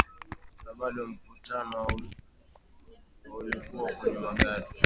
na bado mkutano wa ulikuwa kwenye magari